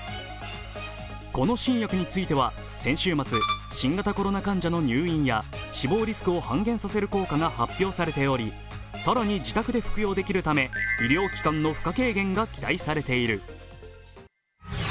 この新薬については先週末、新型コロナ患者の入院や死亡リスクを半減させる効果が発表されており、更に自宅で服用できるため医療機関の負担軽減が期待されている。